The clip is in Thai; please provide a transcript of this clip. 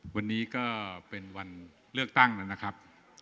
วันนี้ก็เป็นวันเลือกตั้งนะครับ